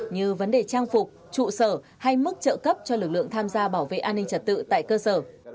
như vấn đề trang phục trụ sở hay mức trợ cấp cho lực lượng tham gia bảo vệ an ninh trật tự tại cơ sở